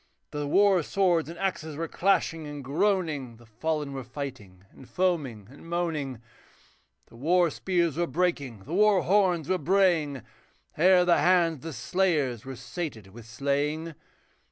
The war swords and axes were clashing and groaning, The fallen were fighting and foaming and moaning; The war spears were breaking, the war horns were braying, Ere the hands of the slayers were sated with slaying.